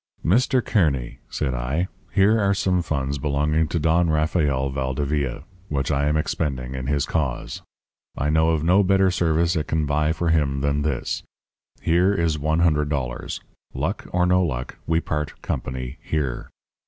"'Mr. Kearny,' said I, 'here are some funds belonging to Don Rafael Valdevia, which I am expending in his cause. I know of no better service it can buy for him than this. Here is one hundred dollars. Luck or no luck, we part company here.